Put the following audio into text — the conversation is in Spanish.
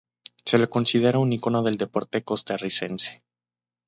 Se le considera un icono del deporte costarricense.